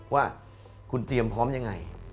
ว่าคุณเตรียมพร้อมยังไง